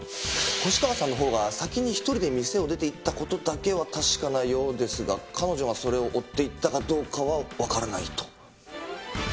星川さんのほうが先に１人で店を出て行った事だけは確かなようですが彼女がそれを追っていったかどうかはわからないと。